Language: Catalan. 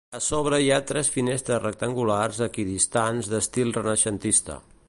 A sobre hi ha tres finestres rectangulars equidistants d'estil renaixentista.